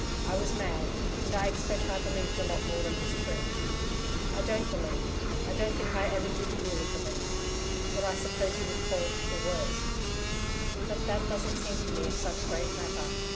I was mad, and I expect I believed a lot more than was true. I don't believe I don't think I ever did really believe what I suppose you would call 'the worst.' But that doesn't seem to me of such great matter.